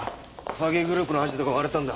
詐欺グループのアジトが割れたんだ。